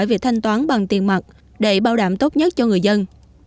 để việc thanh toán bằng tiền mặt để bao đảm tốt nhất cho người dân